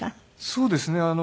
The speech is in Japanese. そうですね。